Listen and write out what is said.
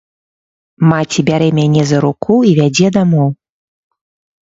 Маці бярэ мяне за руку і вядзе дамоў.